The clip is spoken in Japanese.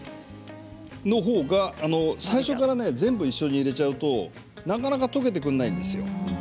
そのほうが最初から全部、先に入れちゃうとなかなか溶けてくれないんですよ。